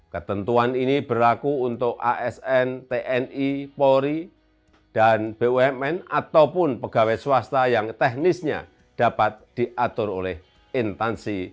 ketentuan ini berlaku untuk asn tni polri dan bumn ataupun pegawai swasta yang teknisnya dapat diatur oleh intansi